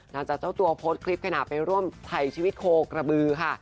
เจ้าตัวโพสต์คลิปขณะไปร่วมถ่ายชีวิตโคกระบือค่ะ